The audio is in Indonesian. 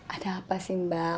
ada apa sih mbak